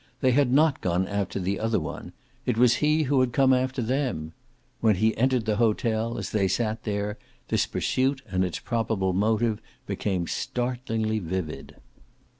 They had not gone after the other one; it was he who had come after them. When he entered the hotel, as they sat there, this pursuit and its probable motive became startlingly vivid.